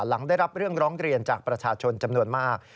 หลังได้รับเรื่องร้องเรียนจากประชาชนจำนวนมาก